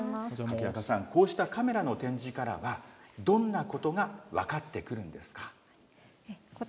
こうしたカメラの展示からは、どんなことが分かってくるんですか？